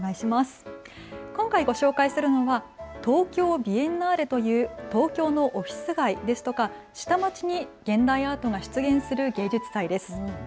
今回ご紹介するのは東京ビエンナーレという東京のオフィス街ですとか下町に現代アートが出現する芸術祭です。